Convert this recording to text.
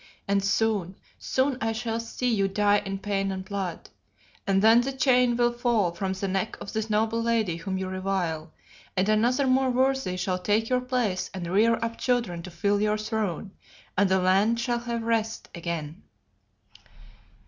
And soon, soon I shall see you die in pain and blood, and then the chain will fall from the neck of this noble lady whom you revile, and another more worthy shall take your place and rear up children to fill your throne, and the land shall have rest again."